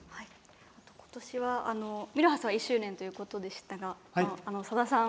今年はミルハスは１周年ということでしたがさださん